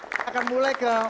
kita akan mulai ke